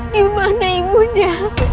di mana ibunda